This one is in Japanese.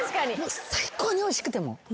最高においしくても？